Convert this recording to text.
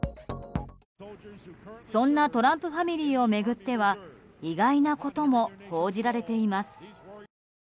そんなトランプファミリーを巡っては意外なことも報じられています。